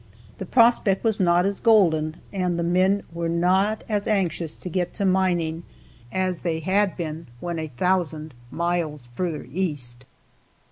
The prospect was not as golden, and the men were not as anxious to get to mining as they had been when a thousand miles further east.